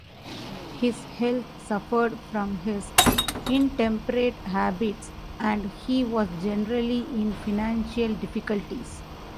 His health suffered from his intemperate habits, and he was generally in financial difficulties.